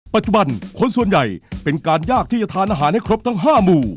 ปัจจุบันคนส่วนใหญ่เป็นการยากที่จะทานอาหารให้ครบทั้ง๕หมู่